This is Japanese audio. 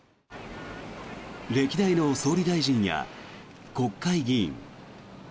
歴代の総理大臣や国会議員。